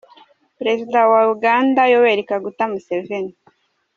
Perezida wa Uganda, Yoweli Kaguta Museveni.